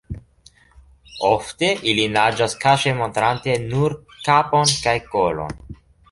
Ofte ili naĝas kaŝe montrante nur kapon kaj kolon.